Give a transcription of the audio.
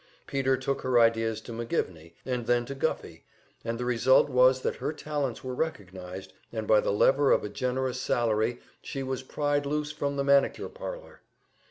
Peter took her ideas to McGivney, and then to Guffey, and the result was that her talents were recognized, and by the lever of a generous salary she was pried loose from the manicure parlor.